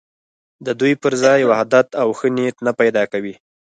د دوی پر ځای وحدت او ښه نیت نه پیدا کوي.